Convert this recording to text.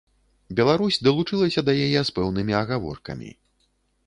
Беларусь далучылася да яе з пэўнымі агаворкамі.